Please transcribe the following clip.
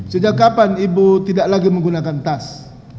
sejak kapan ibu tidak lagi menggunakan tas